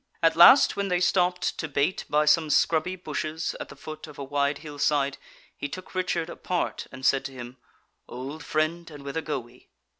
At last when they stopped to bait by some scrubby bushes at the foot of a wide hill side, he took Richard apart, and said to him: "Old friend, and whither go we?"